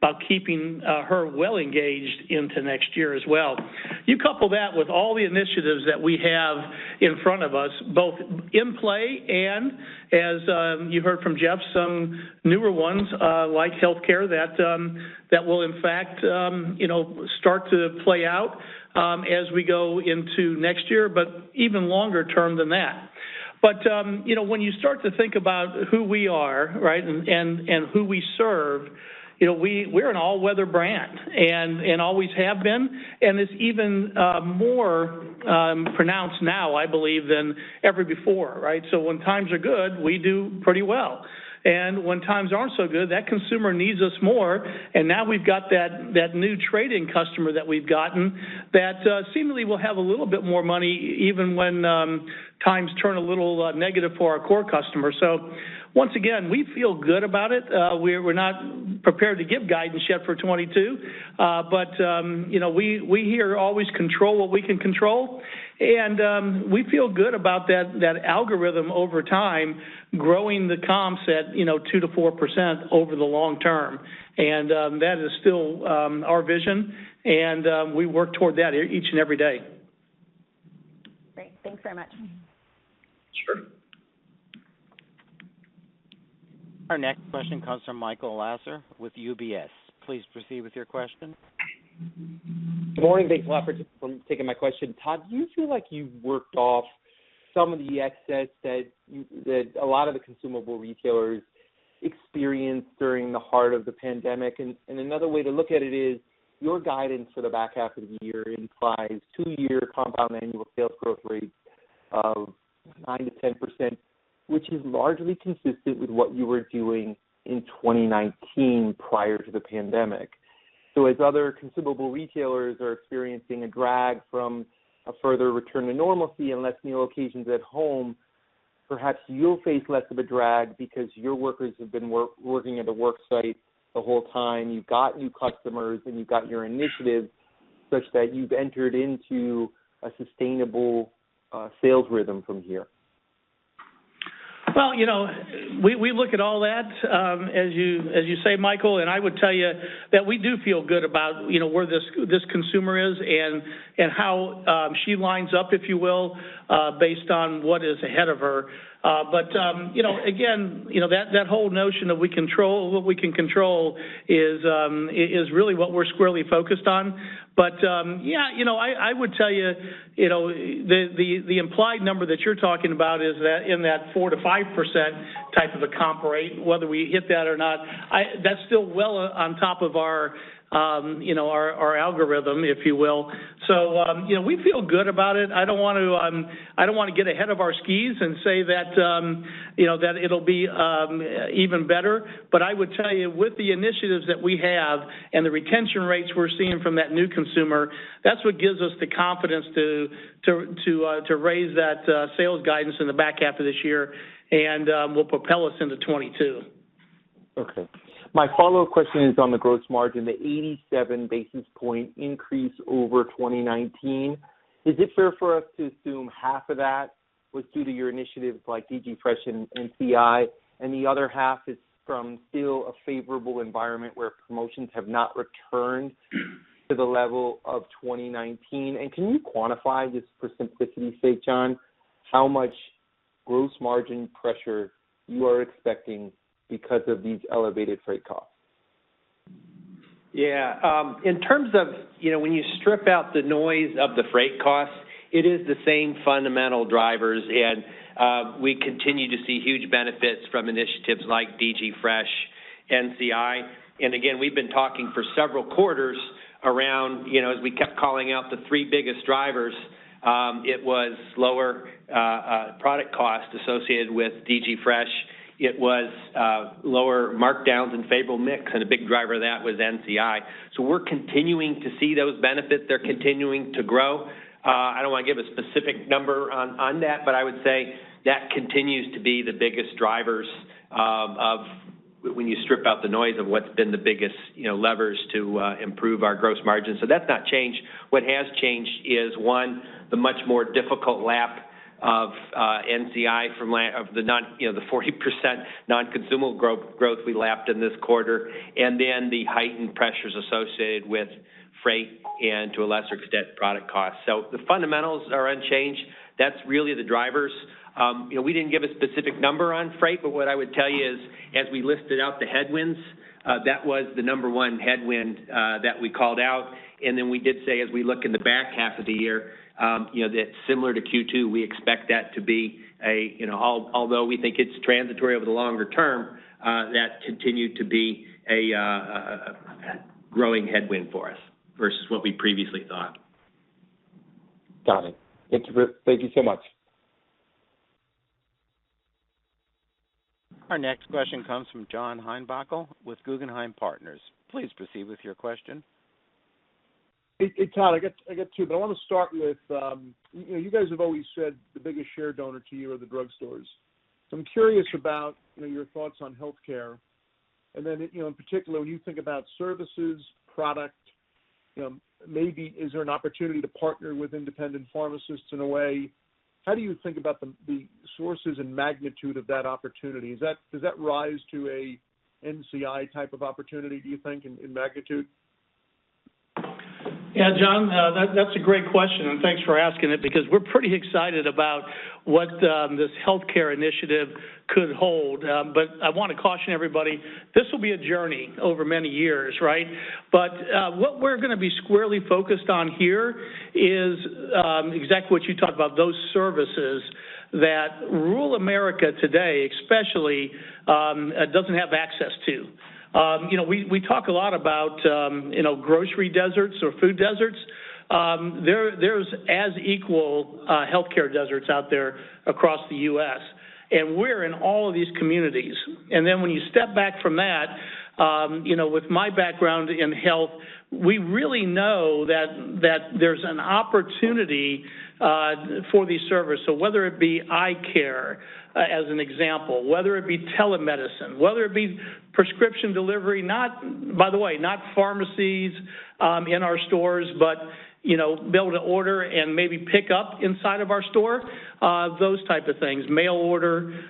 about keeping her well engaged into next year as well. You couple that with all the initiatives that we have in front of us, both in play and, as you heard from Jeff, some newer ones like healthcare that will in fact start to play out as we go into next year, but even longer term than that. When you start to think about who we are, right, and who we serve, we're an all-weather brand and always have been, and it's even more pronounced now, I believe, than ever before, right? When times are good, we do pretty well. When times aren't so good, that consumer needs us more, and now we've got that new trade-in customer that we've gotten that seemingly will have a little bit more money even when times turn a little negative for our core customer. Once again, we feel good about it. We're not prepared to give guidance yet for 2022. We here always control what we can control. We feel good about that algorithm over time growing the comp set 2%-4% over the long term. That is still our vision, and we work toward that each and every day. Great. Thanks very much. Sure. Our next question comes from Michael Lasser with UBS. Please proceed with your question. Good morning. Thanks a lot for taking my question. Todd, do you feel like you've worked off some of the excess that a lot of the consumable retailers experienced during the heart of the pandemic? Another way to look at it is your guidance for the back half of the year implies two-year compound annual sales growth rate of 9%-10%, which is largely consistent with what you were doing in 2019 prior to the pandemic. As other consumable retailers are experiencing a drag from a further return to normalcy and less meal occasions at home, perhaps you'll face less of a drag because your workers have been working at a work site the whole time. You've got new customers and you've got your initiatives such that you've entered into a sustainable sales rhythm from here. Well, we look at all that, as you say, Michael. I would tell you that we do feel good about where this consumer is and how she lines up, if you will, based on what is ahead of her. Again, that whole notion of what we can control is really what we're squarely focused on. Yeah, I would tell you the implied number that you're talking about is in that 4%-5% type of a comp rate. Whether we hit that or not, that's still well on top of our algorithm, if you will. We feel good about it. I don't want to get ahead of our skis and say that it'll be even better. I would tell you with the initiatives that we have and the retention rates we're seeing from that new consumer, that's what gives us the confidence to raise that sales guidance in the back half of this year and will propel us into 2022. Okay. My follow-up question is on the gross margin, the 87 basis points increase over 2019. Is it fair for us to assume half of that was due to your initiatives like DG Fresh and NCI, and the other half is from still a favorable environment where promotions have not returned to the level of 2019? Can you quantify, just for simplicity's sake, John, how much gross margin pressure you are expecting because of these elevated freight costs? Yeah. When you strip out the noise of the freight costs, it is the same fundamental drivers, and we continue to see huge benefits from initiatives like DG Fresh, NCI. Again, we've been talking for several quarters around, as we kept calling out the three biggest drivers, it was lower product cost associated with DG Fresh. It was lower markdowns and favorable mix, and a big driver of that was NCI. We're continuing to see those benefits. They're continuing to grow. I don't want to give a specific number on that, but I would say that continues to be the biggest drivers of when you strip out the noise of what's been the biggest levers to improve our gross margin. That's not changed. What has changed is, one, the much more difficult lap of NCI of the 40% non-consumable growth we lapped in this quarter, then the heightened pressures associated with freight and, to a lesser extent, product cost. The fundamentals are unchanged. That's really the drivers. We didn't give a specific number on freight, but what I would tell you is, as we listed out the headwinds, that was the number one headwind that we called out. Then we did say, as we look in the back half of the year, that similar to Q2, although we think it's transitory over the longer term, that continued to be a growing headwind for us versus what we previously thought. Got it. Thank you so much. Our next question comes from John Heinbockel with Guggenheim Partners. Please proceed with your question. Hey, Todd, I got two, but I want to start with, you guys have always said the biggest share donor to you are the drugstores. I'm curious about your thoughts on healthcare, and then in particular, when you think about services, product, maybe is there an opportunity to partner with independent pharmacists in a way? How do you think about the sources and magnitude of that opportunity? Does that rise to a NCI-type of opportunity, do you think, in magnitude? Yeah, John, that's a great question, and thanks for asking it because we're pretty excited about what this healthcare initiative could hold. I want to caution everybody, this will be a journey over many years. What we're going to be squarely focused on here is exactly what you talked about, those services that rural America today, especially, doesn't have access to. We talk a lot about grocery deserts or food deserts. There's as equal healthcare deserts out there across the U.S., and we're in all of these communities. When you step back from that, with my background in health, we really know that there's an opportunity for these services. Whether it be eye care, as an example, whether it be telemedicine, whether it be prescription delivery, by the way, not pharmacies in our stores, but be able to order and maybe pick up inside of our store, those type of things, mail order.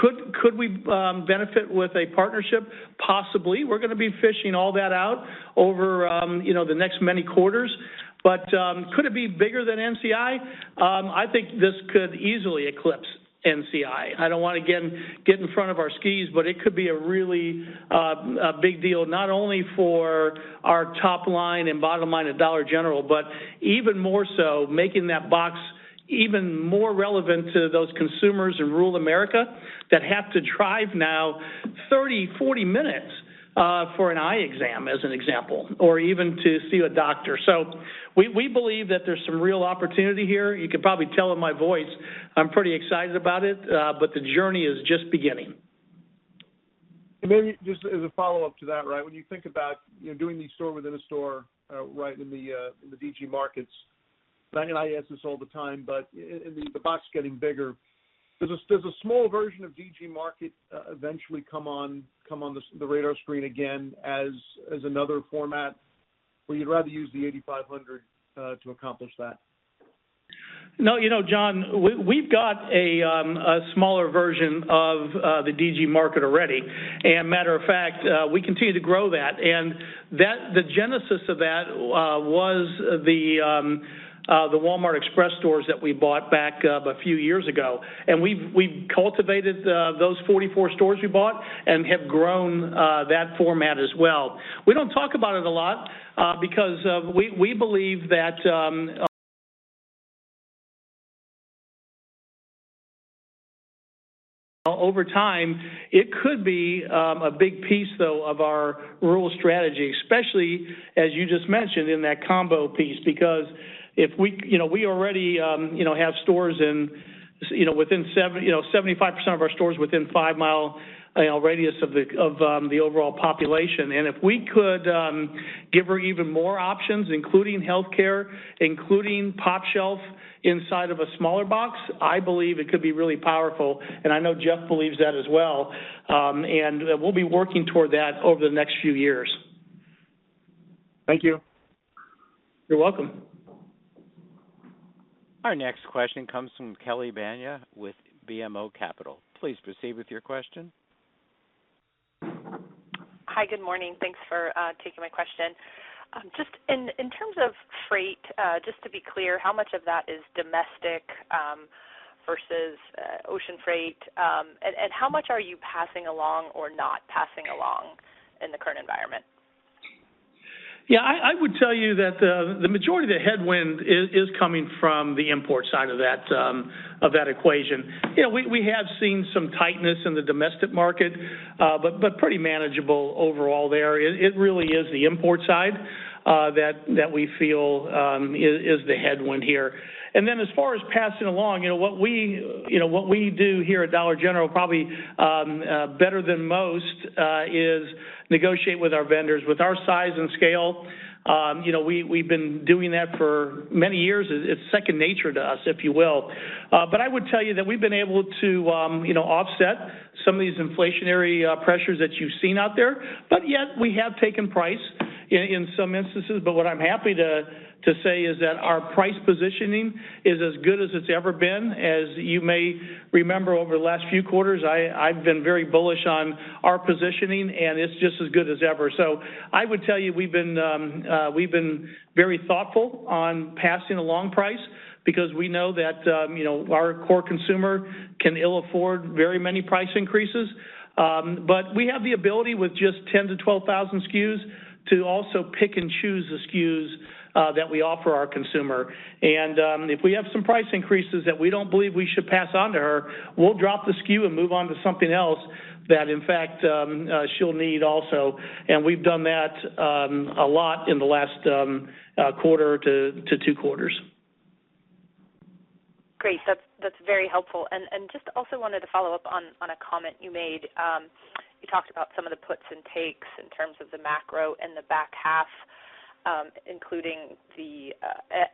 Could we benefit with a partnership? Possibly. We're going to be fishing all that out over the next many quarters. Could it be bigger than NCI? I think this could easily eclipse NCI. I don't want to get in front of our skis, but it could be a really big deal, not only for our top line and bottom line at Dollar General, but even more so, making that box even more relevant to those consumers in rural America that have to drive now 30-40 minutes for an eye exam, as an example, or even to see a doctor. We believe that there's some real opportunity here. You can probably tell in my voice, I'm pretty excited about it, but the journey is just beginning. Maybe just as a follow-up to that, when you think about doing the store within a store in the DG Market, and I ask this all the time, but the box getting bigger, does a small version of DG Market eventually come on the radar screen again as another format, or you'd rather use the 8,500 sq ft to accomplish that? No, John, we've got a smaller version of the DG Market already. Matter of fact, we continue to grow that. The genesis of that was the Walmart Express stores that we bought back a few years ago. We've cultivated those 44 stores we bought and have grown that format as well. We don't talk about it a lot because we believe that over time, it could be a big piece, though, of our rural strategy, especially as you just mentioned in that combo piece. Because we already have 75% of our stores within 5 mi radius of the overall population. If we could give her even more options, including healthcare, including pOpshelf inside of a smaller box, I believe it could be really powerful. I know Jeff believes that as well. We'll be working toward that over the next few years. Thank you. You're welcome. Our next question comes from Kelly Bania with BMO Capital. Please proceed with your question. Hi. Good morning. Thanks for taking my question. Just in terms of freight, just to be clear, how much of that is domestic versus ocean freight? How much are you passing along or not passing along in the current environment? Yeah. I would tell you that the majority of the headwind is coming from the import side of that equation. We have seen some tightness in the domestic market, pretty manageable overall there. It really is the import side that we feel is the headwind here. As far as passing along, what we do here at Dollar General probably better than most is negotiate with our vendors. With our size and scale, we've been doing that for many years. It's second nature to us, if you will. I would tell you that we've been able to offset some of these inflationary pressures that you've seen out there. Yet we have taken price in some instances. What I'm happy to say is that our price positioning is as good as it's ever been. As you may remember, over the last few quarters, I've been very bullish on our positioning, and it's just as good as ever. I would tell you, we've been very thoughtful on passing along price because we know that our core consumer can ill afford very many price increases. We have the ability with just 10,000-12,000 SKUs to also pick and choose the SKUs that we offer our consumer. If we have some price increases that we don't believe we should pass on to her, we'll drop the SKU and move on to something else that, in fact, she'll need also, and we've done that a lot in the last quarter to two quarters. Great. That's very helpful. Just also wanted to follow up on a comment you made. You talked about some of the puts and takes in terms of the macro in the back half, including the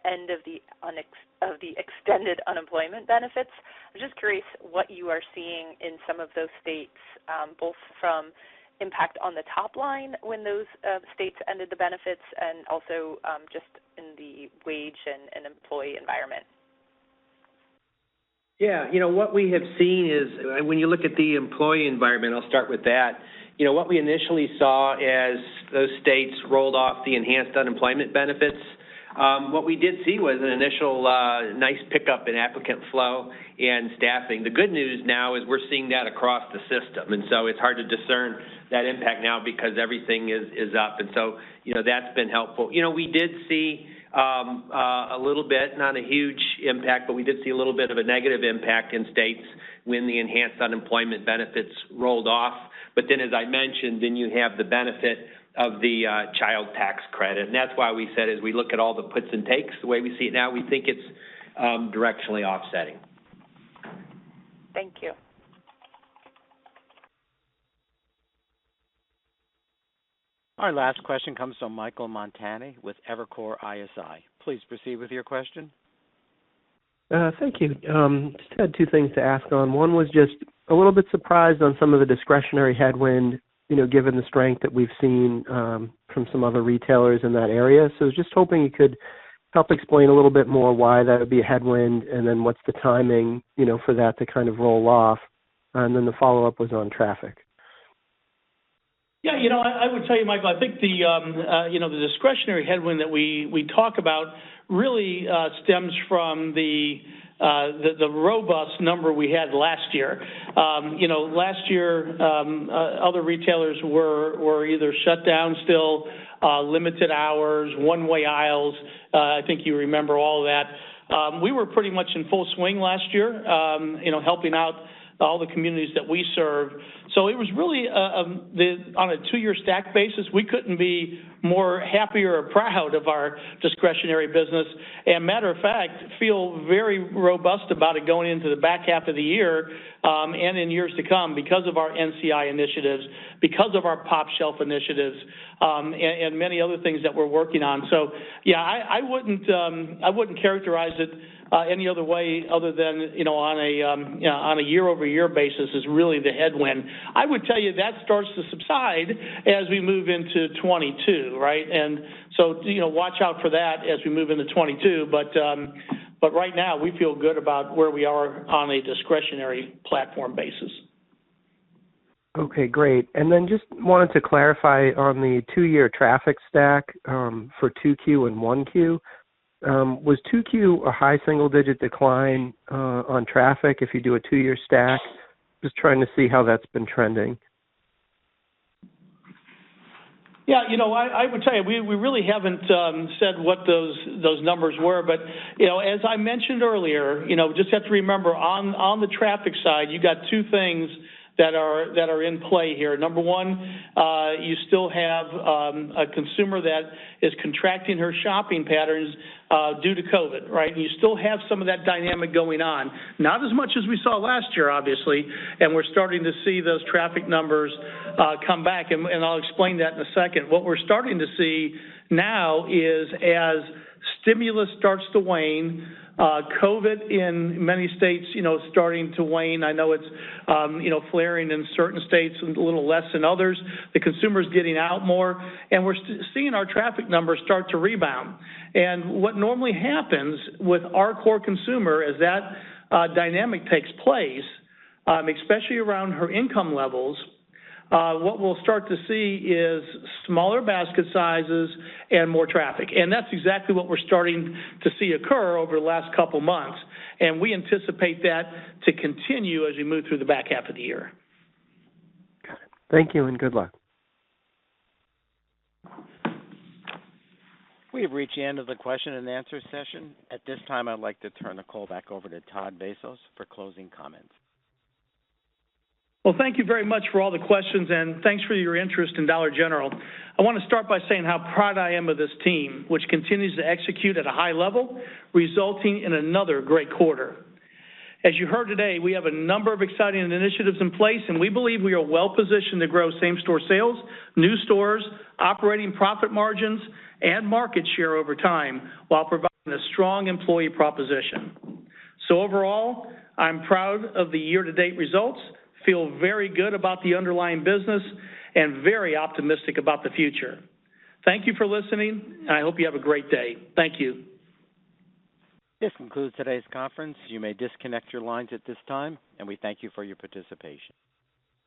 end of the extended unemployment benefits. I'm just curious what you are seeing in some of those states, both from impact on the top line when those states ended the benefits and also just in the wage and employee environment. Yeah. What we have seen is when you look at the employee environment, I'll start with that. What we initially saw as those states rolled off the enhanced unemployment benefits, what we did see was an initial nice pickup in applicant flow and staffing. The good news now is we're seeing that across the system, and so it's hard to discern that impact now because everything is up, and so that's been helpful. We did see a little bit, not a huge impact, but we did see a little bit of a negative impact in states when the enhanced unemployment benefits rolled off. As I mentioned, then you have the benefit of the child tax credit, and that's why we said as we look at all the puts and takes, the way we see it now, we think it's directionally offsetting. Thank you. Our last question comes from Michael Montani with Evercore ISI. Please proceed with your question. Thank you. Just had two things to ask on. One was just a little bit surprised on some of the discretionary headwind, given the strength that we've seen from some other retailers in that area. Just hoping you could help explain a little bit more why that would be a headwind, what's the timing for that to kind of roll off. The follow-up was on traffic. Yeah. I would tell you, Michael, I think the discretionary headwind that we talk about really stems from the robust number we had last year. Last year, other retailers were either shut down still, limited hours, one-way aisles. I think you remember all of that. We were pretty much in full swing last year helping out all the communities that we serve. It was really on a two-year stack basis, we couldn't be more happier or proud of our discretionary business, and matter of fact, feel very robust about it going into the back half of the year and in years to come because of our NCI initiatives, because of our pOpshelf initiatives, and many other things that we're working on. Yeah, I wouldn't characterize it any other way other than on a year-over-year basis is really the headwind. I would tell you that starts to subside as we move into 2022, right? Watch out for that as we move into 2022. Right now, we feel good about where we are on a discretionary platform basis. Okay, great. Just wanted to clarify on the two-year traffic stack for 2Q and 1Q. Was 2Q a high single-digit decline on traffic if you do a two-year stack? Just trying to see how that's been trending. Yeah. I would tell you, we really haven't said what those numbers were, as I mentioned earlier, just have to remember on the traffic side, you got two things that are in play here. Number one, you still have a consumer that is contracting her shopping patterns due to COVID-19, right? You still have some of that dynamic going on. Not as much as we saw last year, obviously. We're starting to see those traffic numbers come back, and I'll explain that in a second. What we're starting to see now is as stimulus starts to wane, COVID-19 in many states starting to wane. I know it's flaring in certain states a little less than others. The consumer's getting out more, and we're seeing our traffic numbers start to rebound. What normally happens with our core consumer as that dynamic takes place, especially around her income levels, what we'll start to see is smaller basket sizes and more traffic. That's exactly what we're starting to see occur over the last couple of months, and we anticipate that to continue as we move through the back half of the year. Got it. Thank you, and good luck. We have reached the end of the question and answer session. At this time, I'd like to turn the call back over to Todd Vasos for closing comments. Well, thank you very much for all the questions, and thanks for your interest in Dollar General. I want to start by saying how proud I am of this team, which continues to execute at a high level, resulting in another great quarter. As you heard today, we have a number of exciting initiatives in place, and we believe we are well-positioned to grow same-store sales, new stores, operating profit margins, and market share over time while providing a strong employee proposition. Overall, I'm proud of the year-to-date results, feel very good about the underlying business, and very optimistic about the future. Thank you for listening. I hope you have a great day. Thank you. This concludes today's conference. You may disconnect your lines at this time, and we thank you for your participation.